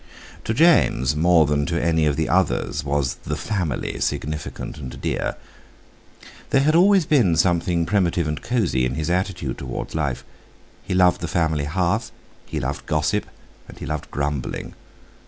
To James, more than to any of the others, was "the family" significant and dear. There had always been something primitive and cosy in his attitude towards life; he loved the family hearth, he loved gossip, and he loved grumbling.